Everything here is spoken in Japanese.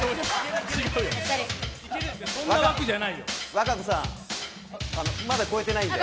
和歌子さん、まだ超えてないんで。